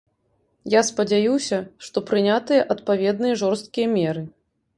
Я спадзяюся, што прынятыя адпаведныя жорсткія меры.